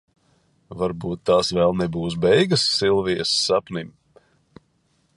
Varbūt tās vēl nebūs beigas Silvijas sapnim?